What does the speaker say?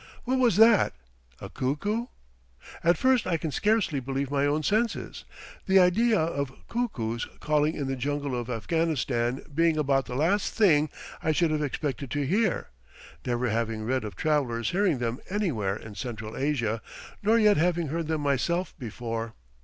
"What was that? a cuckoo?" At first I can scarcely believe my own senses, the idea of cuckoos calling in the jungles of Afghanistan being about the last thing I should have expected to hear, never having read of travellers hearing them anywhere in Central Asia, nor yet having heard them myself before.